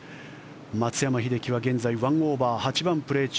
松山英樹は現在１オーバー８番プレー中。